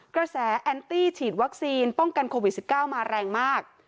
กระแสแอนตี้ฉีดวัคซีนป้องกันโควิด๑๙มาแรงมาก